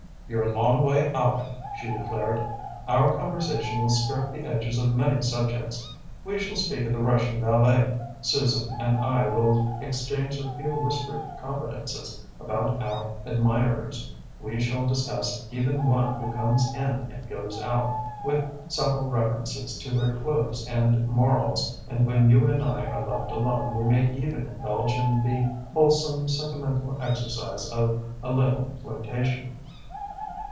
"You're a long way out," she declared, "Our conversation will skirt the edges of many subjects. We shall speak of the Russian Ballet, Susan and I will exchange a few whispered confidences about our admirers, we shall discuss even one who comes in and goes out, with subtle references to their clothes and morals, and when you and I are left alone we may even indulge in the wholesome, sentimental exercise of a little flirtation."